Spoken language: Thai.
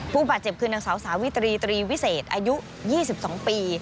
ผู้บาดเจ็บคือนางสาวสาวิตรีตรีวิเศษอายุ๒๒ปี